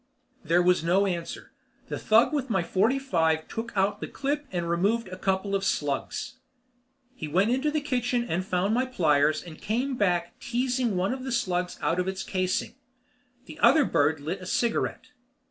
There was no answer. The thug with my forty five took out the clip and removed a couple of slugs. He went into the kitchen and found my pliers and came back teasing one of the slugs out of its casing. The other bird lit a cigarette.